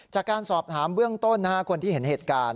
จากการสอบถามเบื้องต้นคนที่เห็นเหตุการณ์